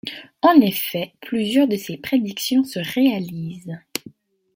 En effet, plusieurs de ses prédictions se réalisent.